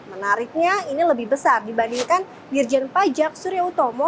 menariknya ini lebih besar dibandingkan dirjen pajak surya utomo